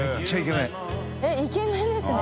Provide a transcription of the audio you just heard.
丸山）イケメンですね。